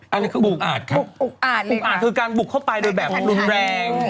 อะไรคืออุกอาจค่ะอุกอาจเลยค่ะอุกอาจคือการบุกเข้าไปโดยแบบรุนแรง